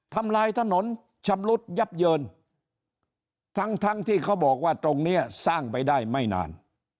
ทำลายถนนชำรุดยับเยินทั้งทั้งที่เขาบอกว่าตรงเนี้ยสร้างไปได้ไม่นาน